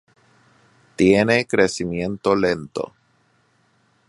Tiene crecimiento lento.